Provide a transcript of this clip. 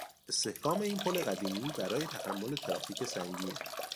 استحکام این پل قدیمی برای تحمل ترافیک سنگین